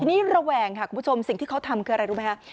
นี่ระแวงค่ะคุณผู้ชมสิ่งที่เขาทำคืออะไรรู้ไหมคะ